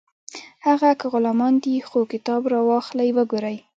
هغه که غلامان دي خو کتاب راواخلئ وګورئ